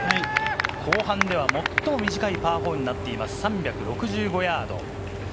後半では最も短いパー４になっています、３６５ヤード。